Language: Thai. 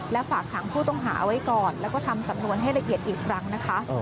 และฝากขังผู้ต้องหาไว้ก่อนแล้วก็ทำสำนวนให้ละเอียดอีกครั้งนะคะ